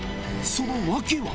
その訳は。